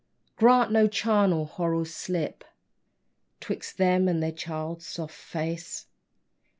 Grant no charnel horrors slip 'Twixt them and their child's soft face.